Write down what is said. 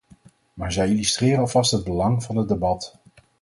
Maar zij illustreren alvast het belang van het debat.